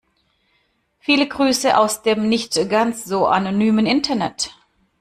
Viele Grüße aus dem nicht ganz so anonymen Internet.